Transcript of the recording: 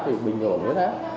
để bình hồn huyết áp